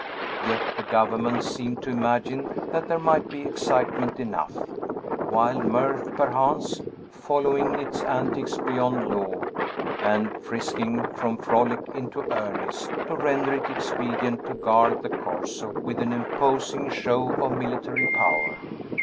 Yet the government seemed to imagine that there might be excitement enough, wild mirth, perchance, following its antics beyond law, and frisking from frolic into earnest, to render it expedient to guard the Corso with an imposing show of military power.